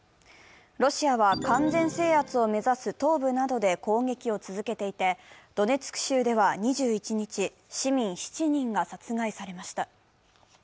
ロシアは完全制圧を目指す東部などで攻撃を続けていて、ドネツク州では２１日、市民７人が殺害されました。